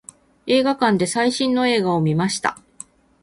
映画館で最新の映画を見ました。